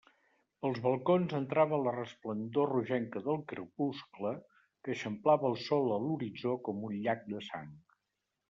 Pels balcons entrava la resplendor rogenca del crepuscle, que eixamplava el sol a l'horitzó com un llac de sang.